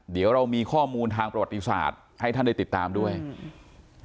เดี๋ยวเรามีข้อมูลทางประวัติศาสตร์ให้ท่านได้ติดตามด้วยอืม